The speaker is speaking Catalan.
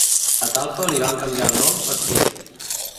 A Talpa li van canviar el nom per Tien.